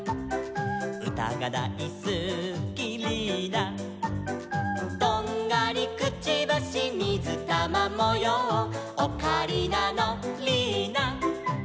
「うたがだいすきリーナ」「とんがりくちばしみずたまもよう」「オカリナのリーナ」